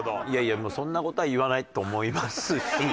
いやいやもうそんな事は言わないと思いますし。